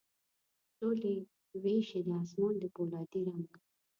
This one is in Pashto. ټولي ویشي د اسمان د پولا دي رنګ،